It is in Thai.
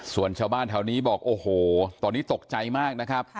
ส่วนชาวบ้านแถวนี้บอกโอ้โหตอนนี้ตกใจมากนะครับ